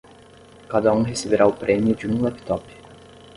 Cada um receberá o prêmio de um laptop.